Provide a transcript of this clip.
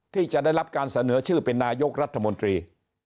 ที่จะได้รับการเสนอชื่อเป็นนายกรัฐมนตรี